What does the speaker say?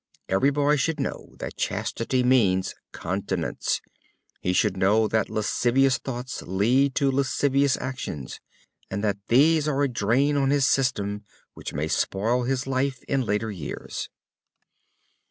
Every boy should know that chastity means continence. He should know that lascivious thoughts lead to lascivious actions, and that these are a drain on his system which may spoil his life in later years.